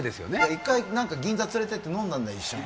１回銀座連れてって飲んだんだよ